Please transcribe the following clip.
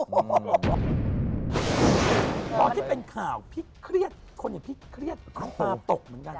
พอที่เป็นข่าวคนอย่างพี่เครียดก็ตกเหมือนกัน